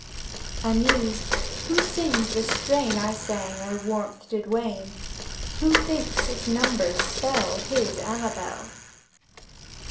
I mused: "Who sings the strain I sang ere warmth did wane? Who thinks its numbers spell His Amabel?"